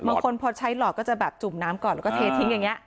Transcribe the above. บางคนพอใช้หลอดก็จะแบบจุ่มน้ำก่อนแล้วก็เททิ้งอย่างนี้